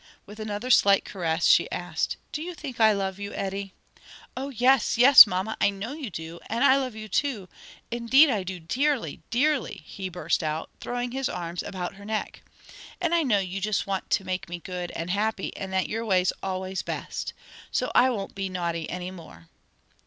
With another slight caress she asked, "Do you think I love you, Eddie?" "Oh yes, yes mamma, I know you do, and I love you too: indeed I do dearly, dearly!" he burst out, throwing his arms about her neck. "And I know you just want to make me good and happy and that your way's always best. So I won't be naughty any more."